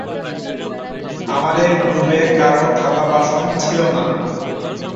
আমাদের গ্রুপের কারো থালা বাসন ছিল না।